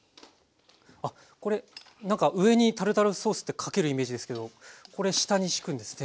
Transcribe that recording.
あっこれなんか上にタルタルソースってかけるイメージですけどこれ下にしくんですね